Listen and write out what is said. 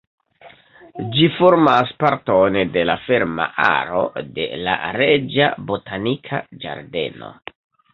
Ĝi formas parton de la ferma aro de la Reĝa Botanika Ĝardeno.